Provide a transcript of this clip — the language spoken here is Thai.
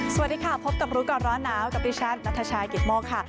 สวัสดีค่ะพบกับรู้ก่อนร้อนหนาวกับดิฉันนัทชายกิตโมกค่ะ